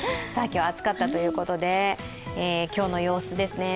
今日、暑かったということで、今日の様子ですね。